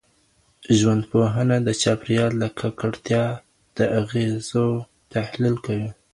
ژوندپوهنه د چاپېریال د ککړتیا د اغېزو تحلیل کوي.